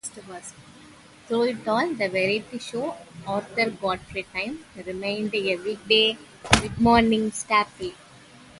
Through it all, the variety show "Arthur Godfrey Time" remained a weekday mid-morning staple.